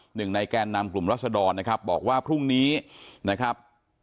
หนึ่งในแกนนำกลุ่มรัศดรนะครับบอกว่าพรุ่งนี้นะครับ